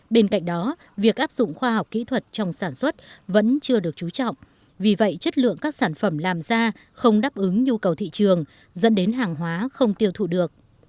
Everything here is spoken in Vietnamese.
bên cạnh đó việc áp dụng khoa học kỹ thuật trong sản xuất vẫn chưa được trú trọng vì vậy chất lượng các sản phẩm làm ra không đáp ứng nhu cầu thị trường dẫn đến hàng hóa không tiêu thụ được